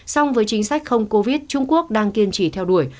song với chính sách không covid trung quốc đang kiên trì theo đuổi